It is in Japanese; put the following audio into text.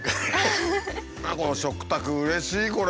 食卓うれしいこれ！